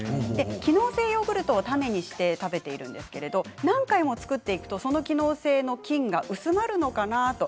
機能性ヨーグルトをタネにして食べているんですけれども何回も作っていくとその機能性の菌が薄まるのかなと。